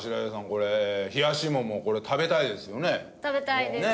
これ冷やしモモ食べたいですよね？